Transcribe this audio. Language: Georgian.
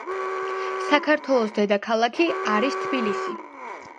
საქართველოს დედაქალაქი არის თბილისი.